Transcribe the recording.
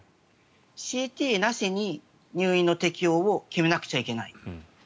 ＣＴなしに入院の適用を決めなくちゃいけない。